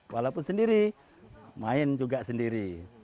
walaupun sendiri main juga sendiri